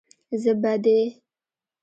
زه به دې.